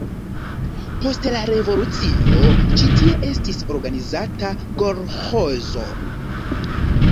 Post la revolucio ĉi tie estis organizita kolĥozo.